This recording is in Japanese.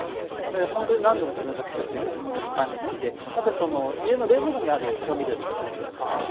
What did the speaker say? ほんとに何度も自分が作ってる鉄板レシピであとその家の冷蔵庫にある調味料で作れるようなやつですね。